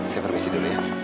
saya permisi dulu ya